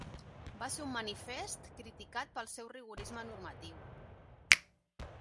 Va ser un manifest criticat pel seu rigorisme normatiu.